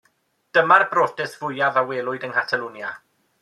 Dyma'r brotest fwyaf a welwyd yng Nghatalwnia.